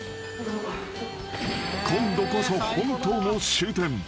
［今度こそ本当の終点］